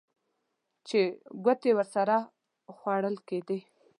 چې ګوتې ورسره خوړل کېدې.